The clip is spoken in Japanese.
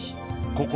ここ